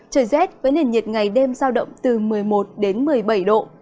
trời rét với nền nhiệt ngày đêm giao động từ một mươi một đến một mươi bảy độ